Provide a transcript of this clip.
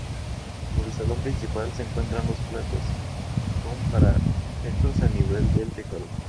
Sobre el salón principal se encuentran dos plantas, con parapetos al nivel del tejado.